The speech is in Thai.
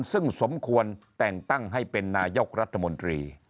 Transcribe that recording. ซึ่งสมควรแต่งตั้งให้เป็นนายกรัฐมนตรี